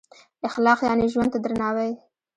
اخلاق یعنې ژوند ته درناوی.